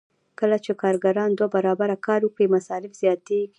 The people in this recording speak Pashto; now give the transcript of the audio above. کله چې کارګران دوه برابره کار وکړي مصارف زیاتېږي